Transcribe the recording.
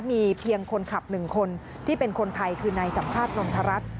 มีเพียงคนขับหนึ่งคนที่เป็นคนไทยคือนายสัมภาษณฑรัฐ